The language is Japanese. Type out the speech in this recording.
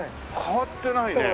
変わってないね。